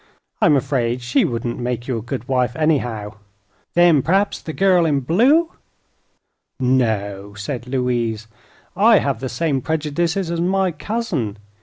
I'm afraid she wouldn't make you a good wife, anyhow." "Then p'raps the gal in blue " "No;" said Louise. "I have the same prejudices as my cousin.